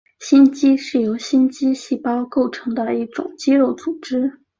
心肌是由心肌细胞构成的一种肌肉组织。